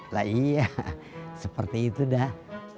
lah iya seperti itu dah